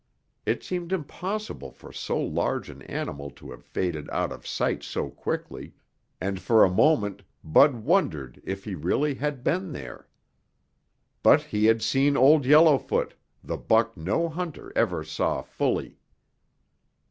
It seemed impossible for so large an animal to have faded out of sight so quickly, and for a moment Bud wondered if he really had been there. But he had seen Old Yellowfoot, the buck no hunter ever saw fully.